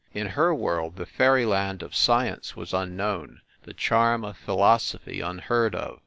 In her world the fairyland of science was unknown, the charm of philosophy unheard of.